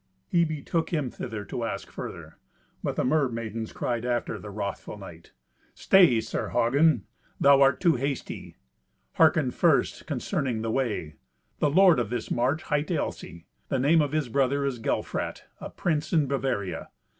He betook him thither to ask further. But the mermaidens cried after the wrothful knight, "Stay, Sir Hagen. Thou art too hasty. Hearken first concerning the way. The lord of this march hight Elsy. The name of his brother is Gelfrat, a prince in Bavaria.